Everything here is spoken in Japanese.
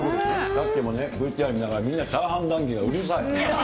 さっきもＶＴＲ見ながらみんなチャーハン談義がうるさい。